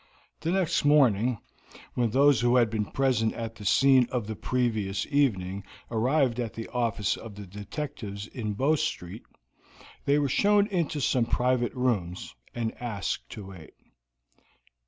The next morning, when those who had been present at the scene of the previous evening arrived at the office of the detectives in Bow Street, they were shown into some private rooms, and asked to wait.